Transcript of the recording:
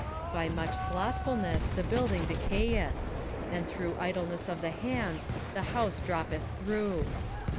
21:010:018 By much slothfulness the building decayeth; and through idleness of the hands the house droppeth through.